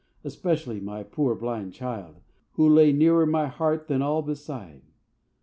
especially my poor blind child, who lay nearer my heart than all beside.